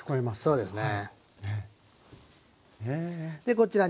そうですね。